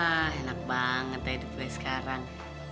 ah enak banget hidup gue sekarang